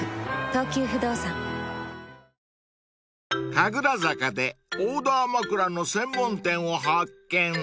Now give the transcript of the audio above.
［神楽坂でオーダー枕の専門店を発見］